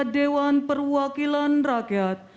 dewan perwakilan rakyat